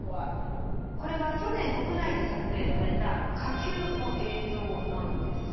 これは去年国内で撮影された火球の映像なんです。